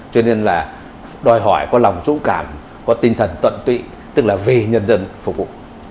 cho nên là đòi hỏi có lòng dũng cảm có tinh thần tận tụy tức là vì nhân dân phục vụ